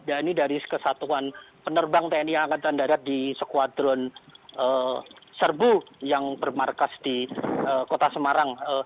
dan ini dari kesatuan penerbang tni angkatan darat di sekuadron serbu yang bermarkas di kota semarang